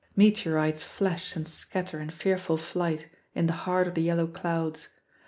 Meteorites flash and scatter in fearful flight in the heart of the yellow clouds.